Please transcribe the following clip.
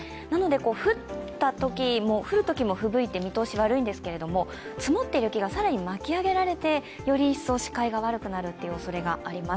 降ったとき、降るときもふぶいて見通しが悪いんですけども、積もった雪が更に巻き上げられて、より一層視界が悪くなるおそれがあります。